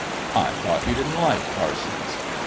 " I thought you didn't like parsons."